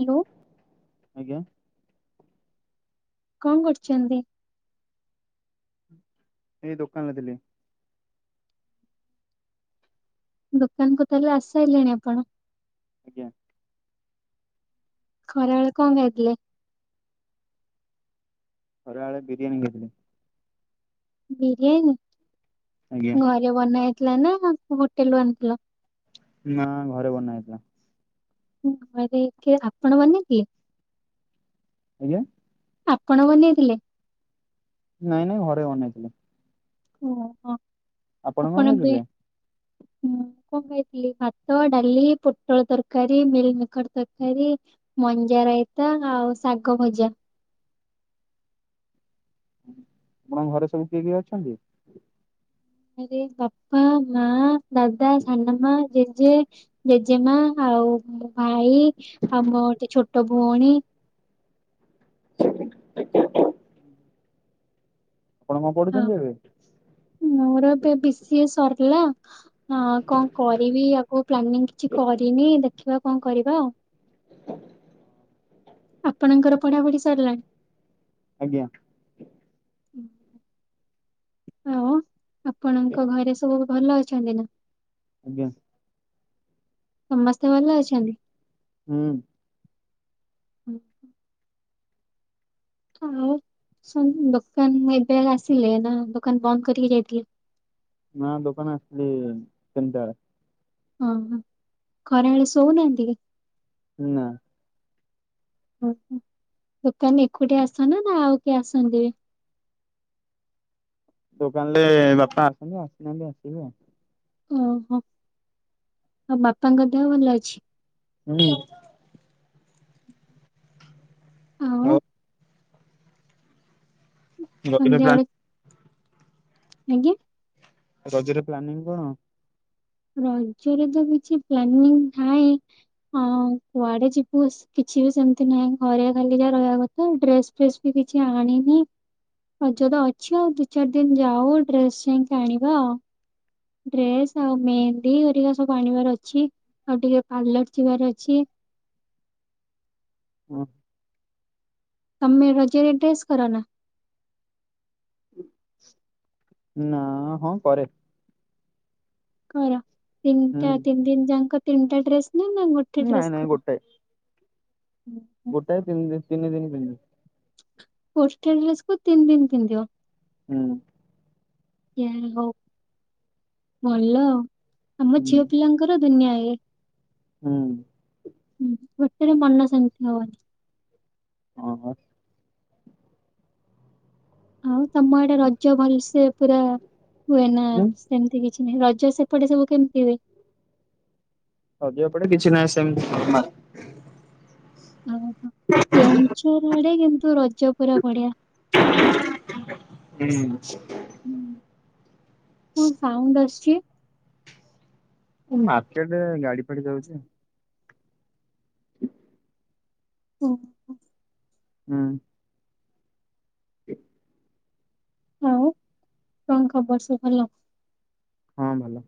Hello ଆଜ୍ଞା। କଣ କରୁଛନ୍ତି? ଏଇ ଦୋକାନରେ ଥିଲି। ଦୋକାନ କୁ ତାହେଲେ ଆସିଲେଣି ଆପଣ। ଆଜ୍ଞା। ଖରାବେଳ କଣ ଖାଇଥିଲେ? ଖରାବେଳେ ବିରିଆନି ଖାଇଥିଲି। ବିରିୟାନୀ ଆଜ୍ଞା ଘରେ ବନା ହେଇଥିଲା ନା ହୋଟେଲରୁୁ ଆଣିଥିଲ? ନା ଘରେ ବନା ହେଇଥିଲା। ଘରେ କିଏ ଆପଣ ବନେଇଥିଲେ? ଆଜ୍ଞା। ଆପଣ ବନେଇଥିଲେ? ନାଇଁ ନାଇଁ ଘରେ ବନେଇଥିଲେ। ଓହୋ। ଆପଣ କଣ ଖାଇଥିଲେ? ମୁଁ କଣ ଖାଇଥିଲି ଭାତ, ଡାଲି। ପୋଟଳ ତରକାରୀ, ମିଲମିକର ତରକାରୀ, ମଞ୍ଜା ରାଇତା ଆଉ ଶାଗ ଭଜା। ଆପଣଙ୍କ ଘରେ ସବୁ କିଏ କିଏ ଅଛନ୍ତି? ଘରେ ବାପା, ମା, ଦାଦା, ସାନମା, ଜେଜେ। ଜେଜେମା ଆଉ ଭାଇ ଆଉ ମୋ ଛୋଟ ଭଉଣୀ। ଆପଣ କଣ ହଁ ପଢୁଛନ୍ତି ଏବେ ମୋର ଏବେ ବିସିଏ ସରିଲା। ହଁ। କଣ କରିବି ଆଗକୁ ପ୍ଲାନିଂ କିଛି କରିନି ଦେଖିବା କଣ କରିବା ଆଉ। ଆପଣଙ୍କର ପଢାପଢି ସରିଲାଣି? ଆଜ୍ଞା। ଆଉ ଆପଣଙ୍କ ଘରେ ସବୁ ଭଲ ଅଛନ୍ତି ନା? ଆଜ୍ଞା। ସମସ୍ତେ ଭଲ ଅଛନ୍ତି। ହୁଁ ଆଉ ଶ ଦୋକାନ ଏବେ ଆସିଲେ ନା ଦୋକାନ ବନ୍ଦ କରିକି ଯାଇଥିଲେ। ନା ଦୋକାନ ଆସିଥିଲି ତିନିଟା ବେଳେ ଓ ହ ଖରାବେଳେ ଶଉନାହାନ୍ତି କି? ନାଁ। ଓହୋ ଦୋକାନ ଏକୁଟିି ଆସନ ନା ଆଉ କିଏ ଆସନ୍ତି ବି? [inaudible] ଦୋକାନ ରେ ବାପା ଆସନ୍ତି ଆସିନାହାନ୍ତି ଆସିବେ ଆ ଓହୋ ଆଉ ବାପାଙ୍କ ଦେହ ଭଲ ଅଛି। [unintelligible] ଆଉ ଗପିଲେ ସନ୍ଧ୍ୟାବେଳେ ପ୍ଲାଣ୍ଟ ଆଜ୍ଞା। ରଜରେ ପ୍ଲାନିଂ କଣ? ରଜରେ ତ କିଛି ପ୍ଲାନିଂ ଥାଏ ଆଉ କୁଆଡେ ଯିବୁ ସେ କିଛ କିଛି ବି ସେମିତି ନାହିଁ ଘରେ ଖାଲି ଯା ରହିବା କଥା ଡ୍ରେସ ଫ୍ରେସ ବି କିଛି ଆଣିନି ରଜ ତ ଅଛି ଆଉ ଦି ଚାରି ଦିନ ଯାଉ ଡ୍ରେସ ଯାଇକି ଆଣିବା ଆଉ। ଡ୍ରେସ ଆଉ ମେହେନ୍ଦୀ ହେରିକା ସବୁ ଆଣିବାର ଅଛି ଆଉ ଟିକେ ପାର୍ଲର ଯିବାର ଅଛି। [inaudible] ହଁ। ତମେ ରଜ ରେ ଡ୍ରେସ୍ କର ନା? ନା ହଁ କରେ କର ହୁଁ। ତିନିଟା ତିନି ଦିନ ଜାଙ୍କ ତିନିଟା ଡ୍ରେସ୍ ନାଇଁ ନାଇଁ ଗୋଟେ ଓହୋ। ଗୋଟାଏ ତିନ ଦିନ ତିନି ଦିନ ପିନ୍ଧିବି। ଗୋଟେ ଡ୍ରେସ କୁ ତିନି ଦିନ ପିନ୍ଧିବ? ହୁଁ। ଯା ହଉ ଭଲ ଆମ ହୁଁ ଝିଅ ପିଲାଙ୍କର ଦୁନିଆ ଏ ହୁଁ। ହଁ ଗୋଟେ ରେ ମନ ଶାନ୍ତି ହବନି ହଁ ହଁ। ଆଉ ତମ ଆଡେ ରଜ ଭଲସେ ପୁରା ହୁଏ ନା ସେମିତି କି ରଜ ସେପଟେ ସବୁ କେମିତି ହୁଏ? ରଜ ଏପଟେ କିଛି ନାହିଁ ସେମିତି ନର୍ମାଲ ଓହୋ କେଉଁଁଝର ଆଡେ କିନ୍ତୁ ର ଜ ପୁରା ବଢିଆ କଣ ସାଉଣ୍ଡ ଆସୁଚି? ମାର୍କେଟରେ ଗାଡି ଫାଡି ଯାଉଚି। ଓହୋ। ହଁ। [inaudible] ଆଉ କଣ ଖବର ସବୁ ଭଲ? ହଁ ଭଲ।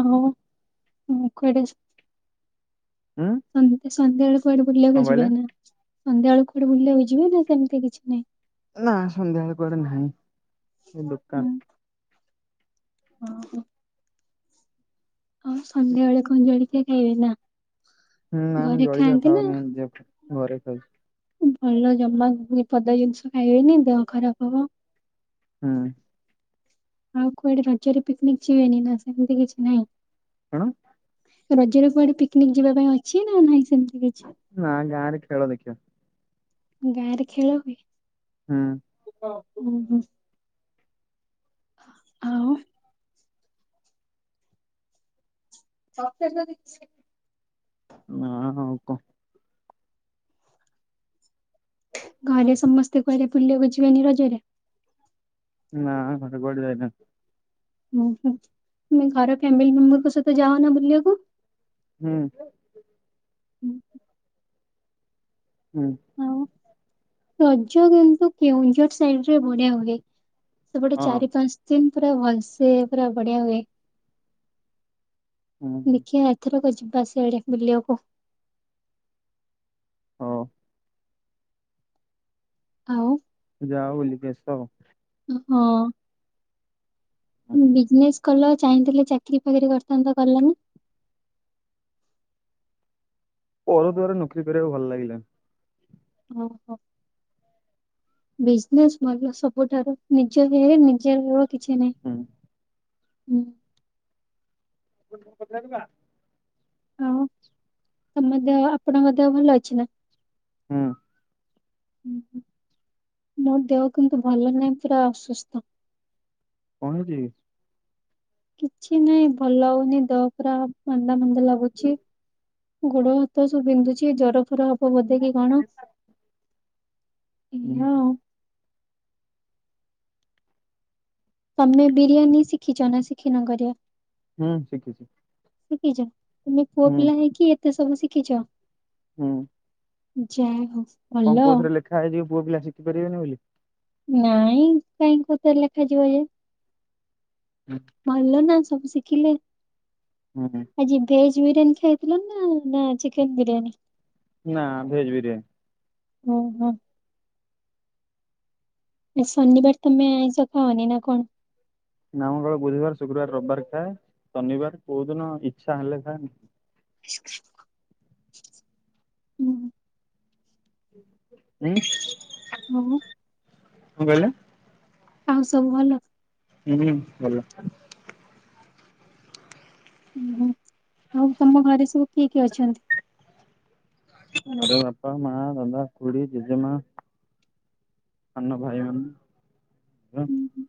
ଆଉ ମୁଁ କୁଆଡେ ଯା ହୁଁ ସନ୍ଧ୍ୟା ସନ୍ଧ୍ୟାବେଳେ କୁଆଡେ କଣ ବୁଲିବାକୁ ଯିବେ କହିଲେ? ନା ସନ୍ଧ୍ୟାବେଳେ କୁଆଡେ ବୁଲିବାକୁ ଯିବ ନା ସେମିତି କିଛି ନାହିଁ? ନା ସନ୍ଧ୍ୟାବେଳ କୁଆଡେ ନାହିଁ ସେ ଦୋକାନ ଓ ହ। ଆଉ ସନ୍ଧ୍ୟାବେଳେ କଣ ଜଳିକ୍ଷା ଖାଇବେ ନା? ହୁଁ ନା ମୁଁ ଘରେ ଜଳଖିଆ ଖାଆନ୍ତି ନା ଖାଉନି ଦିହ ଘରେ ଖାଉଚି ଭଲ ଜମା ପଦା ଜିନିଷ ଖାଇବେନି ଦେହ ଖରାପ ହବ। ହୁଁ ଆଉ କୁଆଡେ ରଜରେ ପିକନିକ୍ ଯିବେନି ନା ସେମିତି କିଛି ନହିଁ? କଣ? ରଜର କୁଆଡେ ପିକନିକ ଯିବା ପାଇଁ ଅଛି ନା ନାହିଁ ସେମିତି କିଛି ନା ଗାଁ ରେ ଖେଳ ଦେଖିବା। ଗାଁ ରେ ଖେଳ ହୁଏ? ହୁଁ ଉଁ ହୁଁ। ଆଉ ସ ହଁ ହଉ କ। ଘରେ ସମସ୍ତେ କୁଆଡେ ବୁଲିବାକୁ ଯିବେନି ରଜରେ? ନା କୁଆଡେ ଯାଇନାହାନ୍ତି। ହୁଁ ହୁଁ ତମେ ଘର ଫ୍ୟାମିଲି ମେମ୍ବରଙ୍କ ସହିତ ଯାଅନା ବୁଲିବାକୁ। ହୁଁ। ହୁଁ ହୁଁ। ହୁଁ। ଆଉ ରଜ କିନ୍ତୁ କେଉଁଝର ସାଇଡ ରେ ବଢିଆ ହୁଏ। ସେପଟେ ହଁ ଚାରି ପାଞ୍ଚ ଦିନ ପୁରା ଭଲସେ ପୁରା ବଢିଆ ହୁଏ। ହୁଁ ଦେଖିଆ ଏଥରକୁ ଯିବା ସେଆଡେ ବୁଲିବାକୁ। ହଉ। ଆଉ। ଯାଅ ବୁଲିକି ଆସ। ହଁ। କଲ ଚାହିଁଥିଲେ ଚାକିରୀ ଫାକିରି କରିଥାନ୍ତ କଲନି? ପର ଦୁଆରେ ନୋକରି କରିବାକୁ ଭଲ ଲାଗିଲାନି। ଓହୋ। ବିଜନେସ ଭଲ ସବୁଠାରୁ ନିଜ [unintelligible] ନିଜ କିଛି ନାହିଁ ହୁଁ। ହୁଁ। [unintelligible] ପଦିବା ଆଉ ତମ ଦେହ, ଆପଣଙ୍କ ଦେହ ଭଲ ଅଛି ନା? ହୁଁ। ହୁଁ ହୁଁ। ମୋ ଦେହ କିନ୍ତୁ ଭଲ ନାହିଁ ପୁରା ଅସୁସ୍ଥ କଣ ହେଉଛି? କିଛି ନହିଁ ଭଲ ହଉନି ଦେହ ପରା ମାନ୍ଦା ମନ୍ଦା ଲାଗୁଛି। ଗୋଡ ହାତ ସବୁ ବିନ୍ଧୁଛି ଜର ଫର ହବ ବୋଧେ କି କଣ? ହୁଁ ଏଇଆ ହୁଁ। ଆଉ। ତମେ ବିରିୟାନୀ ଶିଖିଛ ନା ଶିଖିନ କରିଆ? ହୁଁ ଶିଖିଛି। ଶିଖିଛ ତୁମେ ପୁଅ ହୁଁ ପିଲା ହେଇଁକି ଏତେ ସବୁ ଶିଖିଛ? ହୁଁ। ଯା ହଉ। ଭଲ। କଣ କୋଉ ଥରେ ଲେଖା ହେଇଯିବ ପୁଅ ପିଲା ଶିଖିପାରିବେନି ବୋଲି। ନାଇଁ କାହିଁକି କୋଉଥେରେ ଲେଖାଯିବ ଯେ ଭଲ ନା ସବୁ ଶିଖିଲେ ହୁଁ। ଆଜି [unintelligible] ବିରିୟାନୀ ଖାଇଥିଲ ନା ନା ଚିକେନ ବିରିୟାନୀ? ନା ଭେଜ୍ ବିରିୟାନି ଓ ହୋ। ଏ ଶନିିବାର ତମେ ଆଇଁସ ଖାଅନି ନା କଣ? ନା ମଙ୍ଗଳ ବୁଧବାର ଶୁକ୍ରବାର ରବିବାର ଖାଏ ଶନିବାର କୋଉ ଦିନ ଇଚ୍ଛା ହେଲେ ଖାଏ ନ [unintelligible] ହୁଁ। ହୁଁ? ହଁ। କଣ କହିଲେ? ଆଉ ସବୁ ଭଲ? ହୁଁ ଭଲ। ହୁଁ ହୁଁ ଆଉ ତମ ଘରେ ସବୁ କିଏ କିଏ ଅଛନ୍ତି? ମୋର ବାପା ମା ଦାଦା ଖୁଡି ଜେଜେମା। ସାନ ଭାଇ ମାନେ ହୁଁ,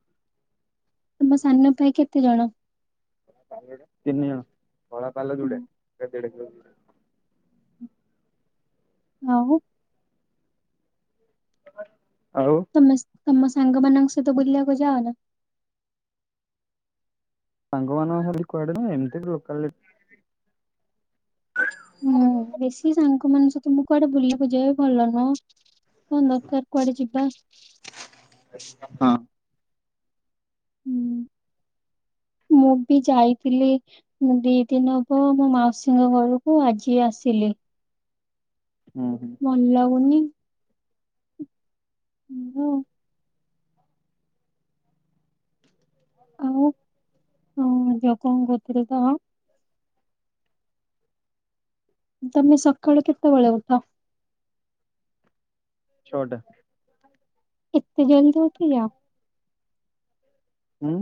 ତମ ସାନ ଭାଇ କେତେ ଜଣ? ତିନି ଜଣ। କଳା ପାଲ ହୁଁ, ଦୁଇଟା ଦେଢ କିଲୋ। ଓ ହୋ। [unintelligible] ତମେସ୍, ତମ ସାଙ୍ଗମାନଙ୍କ ସହିତ ବୁଲିଆକୁ ଯାଅ ନା? ସାଙ୍ଗ ମାନଙ୍କ ସହ ଖାଲି କୁଆଡେ ନୁହେ, ଏମିତି ଲୋକାଲ ହଉ, ବେଶି ସାଙ୍ଗ ମାନଙ୍କ ସହିତ, ମୁଁ କୁଆଡେ ବୁଲିଆକୁୁ ଯାଏ, ଭଲ ନୁହ। କଣ ଦରକାର କୁଆଡେ ଯିବା। ହଁ। ହୁଁ। ମୁଁ ବି ଯାଇଥିଲି। ମୁବି ଦି ଦିନ ହବ ମୋ ମାଉସୀଙ୍କ ଘରକୁ, ଆଜି ଆସିଲି। ହୁଁ ହୁଁ ଭଲ ଲାଗୁନି। ଉଁ ହ। ଆଉ ଯୋକ [unintelligible] ତମେ ସକାଳୁ କେତବେଳେ ଉଠ? ଛଟା। ଏତେ ଜଲଦି ଉଠି ଯାଅ? ହୁଁ।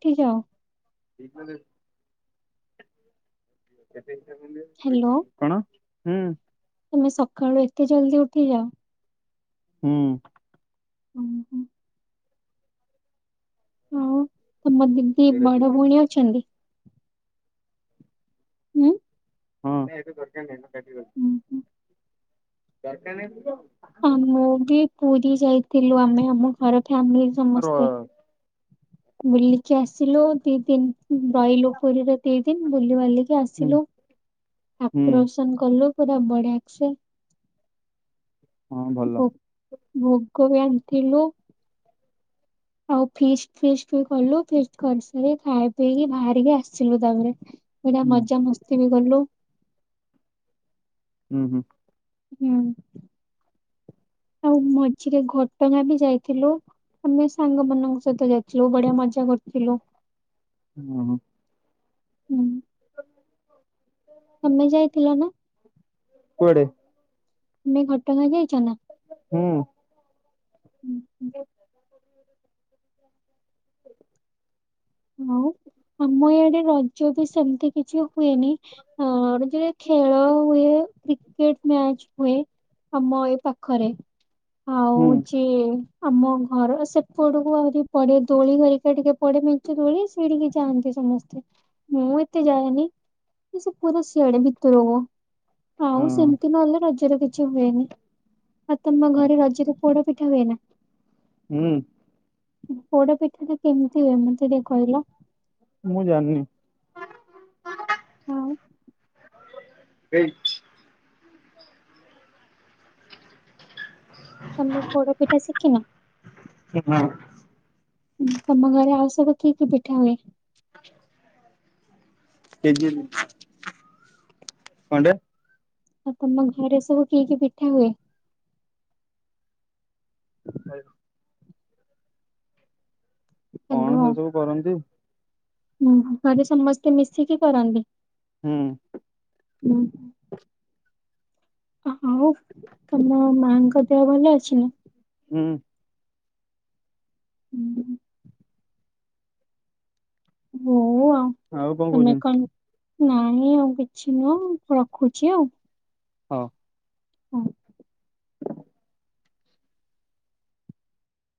ଉଠି ଯାଅ। [unintelligible] ହାଲୋ। କଣ? ହୁଁ। ତମେ ସକାଳୁ ଏତେ ଜଲଦି ଉଠିଯାଅ। ହୁଁ। ହୁଁ, ହୁଁ। ଆଉ, ତମ ଦିଦି ବଡ ଭଉଣୀ ଅଛନ୍ତି? ହୁଁ। ହଁ ଏଇ ତ- ହୁଁ, ହୁଁ। କାରଖାନା ଜୀବ। ଆ' ମୁ ବି ପୁରୀ ଯାଇଥିଲୁ, ଆମେ ଆମ ଘର ଫ୍ୟାମିଲି ର ସମସ୍ତେ। ବୁଲିକି ଆସିଲୁ। ଦି, ଦିନ ରହିଲୁ ପୁରୀରେ, ଦି ଦିନ ବୁଲି ବାଲି କି, ହୁଁ ଆସିଲୁ। ହୁଁ ଆକୋର୍ଷଣ କରିଲୁ। ପୁରା ବଢିଆକସେ। ହଁ ଭଲ। ଭୋଗ ବାଣ୍ଟିଲୁ। ଆଉ 'ଫିଷ୍ଟ, ଫିଷ୍ଟ ବି କଲୁ। ଫିଷ୍ଟ କରିସାରି, ଖାଇ ପିଇକି ବାହାରିଲୁ ଆସିିଲୁ ତାପରେ ଏଇଟା ହୁଁ ମଜା ମସ୍ତି ବି କଲୁ। ହୁଁ ହୁଁ। ହୁଁ, ଆଉ ମଝିରେ ଘଟଗାଁ ବି ଯାଇଥିଲୁ। ଆମେ ସାଙ୍ଗମାନଙ୍କ, ସହିତ ଯାଇଥିଲୁ। ବଢିଆ ମଜା କରିଥିଲୁ। ହୁଁ। ହୁଁ। ତମେ ଯାଇଥିଲ ନା? କୁଆଡେ ତମେ ଘଟଗାଁ ଯାଇଛ ନା? ହୁଁ। ହୁଁ ହୁଁ। ଆଉ, ଆମ ଇଆଡେ ରଜ ତ ସେମିତି କିଛି- ହୁଏନି ଅ ରଜରେ ଖେଳ ହୁଏ କ୍ରିକେଟ ମ୍ୟାଚ ହୁଏ ଆମ ଏ ପାଖରେ। ଆଉ ହୁଁ ଯିଏ ଆମ ଘର ସେପଟକୁ ଆହୁରି ପଡେ ଦୋଳି ହେରିକା ଟିକେ ପଡେ ମେ ଚେ ଦୋଳି ସେଇଠିକି ଯାଆନ୍ତି ସମସ୍ତେ ମୁଁ ଏତେ ଯାଏନି। ସେ ପୁରା ସିଆଡ଼େ ଭିତରକୁ। ଆଉ ହଁ ସେମିତି ନହେଲେ ରଜରେ କିଛି ହୁଏନି। ଆଉ ତମ ହଁ ଘରେ ରଜରେ ପୋଡ ପିଠା ହୁଏ ନା? ହୁଁ। ପୋଡ ପିଠା ତ କେମିତି ହୁଏ ମତେ ଟିକେ କହିଲ? ମୁଁ ଜାଣନି? ହଁ। ଏଇ। ତମେ ପୋଡ ପିଠା ଶିଖିନ? ନା। ତମ ଘରେ ଆଉ ସବୁ କି କି ପିଠା ହୁଏ? ସୁଜି ପିଠା କଣ ଟେ ଆଉ ତମ ଘରେ ସବୁ କି କି ପିଠା ହୁଏ? [unintelligible] କଣ ସେ ସବୁ କରନ୍ତି? ହୁଁ ଘରେ ସମସ୍ତେ ମିଶିକି କରନ୍ତି? ହୁଁ। ହୁଁ। ଆଉ ତମ ମାଙ୍କ ଦେହ ଭଲ ଅଛି ନା? ହୁଁ। ହୁଁ। ହଉ ଆ ଆଉ କଣ କହୁଛନ୍ତି? ନାଇଁ ନାଇଁ ଆଉ କିଛି ନୁହଁ ରଖୁଛି ଆଉ। ହଁ। ହଁ।